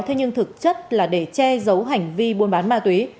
thế nhưng thực chất là để che giấu hành vi buôn bán ma túy